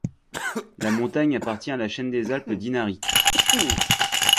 La montagne appartient à la chaîne des Alpes dinariques.